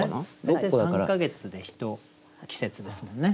大体３か月で一季節ですもんね。